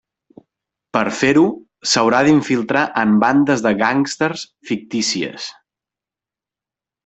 Per fer-ho s'haurà d'infiltrar en bandes de gàngsters fictícies.